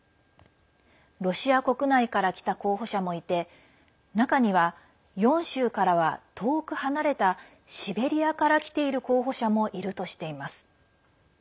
ロシア国内から来た候補者もいて中には、４州からは遠く離れたシベリアから来ている候補者もいるとしています。